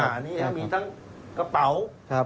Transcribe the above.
อันนี้มีทั้งกระเป๋า